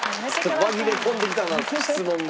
紛れ込んできたな質問が。